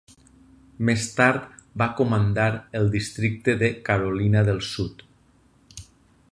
Més tard va comandar el districte de Carolina de Sud.